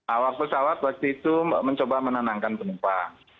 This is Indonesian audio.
awak pesawat waktu itu mencoba menenangkan penumpang